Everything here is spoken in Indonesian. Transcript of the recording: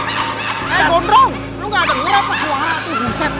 eh gondrong lo nggak ada buram apa suara tuh